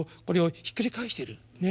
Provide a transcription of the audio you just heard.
これをひっくり返している。